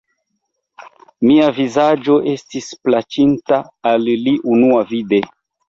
Mia vizaĝo estis plaĉinta al li unuavide.